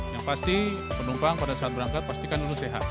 yang pasti penumpang pada saat berangkat pastikan dulu sehat